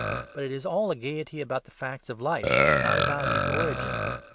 But it is all a gaiety about the facts of life, not about its origin.